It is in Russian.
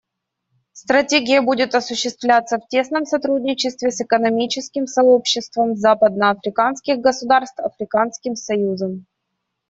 Стратегия будет осуществляться в тесном сотрудничестве с Экономическим сообществом западноафриканских государств и Африканским союзом.